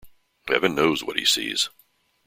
Heaven knows what he sees.